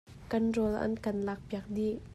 Kan rawl an kan lak piak dih.